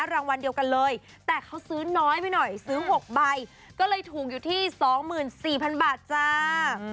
รางวัลเดียวกันเลยแต่เขาซื้อน้อยไปหน่อยซื้อ๖ใบก็เลยถูกอยู่ที่๒๔๐๐๐บาทจ้า